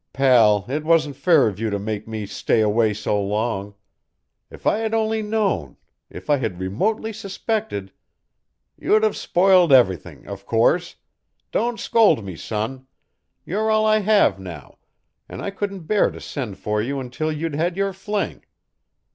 "Pal, it wasn't fair of you to make me stay away so long. If I had only known if I had remotely suspected " "You'd have spoiled everything of course. Don't scold me, son. You're all I have now, and I couldn't bear to send for you until you'd had your fling."